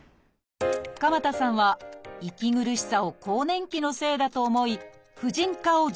鎌田さんは息苦しさを更年期のせいだと思い婦人科を受診。